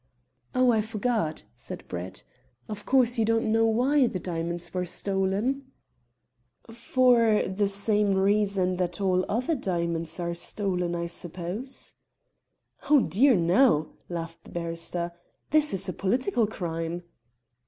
"Oh, I forgot," said Brett. "Of course, you don't know why the diamonds were stolen?" "For the same reason that all other diamonds are stolen, I suppose." "Oh, dear no," laughed the barrister. "This is a political crime."